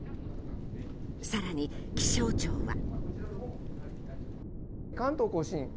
更に気象庁は。